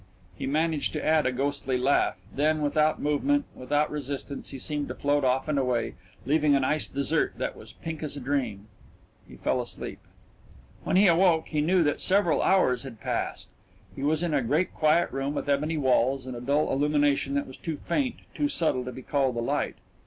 He managed to add a ghostly laugh; then, without movement, without resistance, he seemed to float off and away, leaving an iced dessert that was pink as a dream .... He fell asleep. When he awoke he knew that several hours had passed. He was in a great quiet room with ebony walls and a dull illumination that was too faint, too subtle, to be called a light.